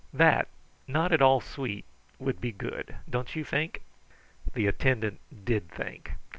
That, not at all sweet, would be good; don't you think?" The attendant did think.